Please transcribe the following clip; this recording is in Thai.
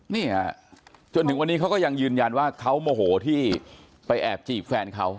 เนี่ยจนถึงวันนี้เขาก็ยังยืนยันว่าเขาโมโหที่ไปแอบจีบแฟนเขา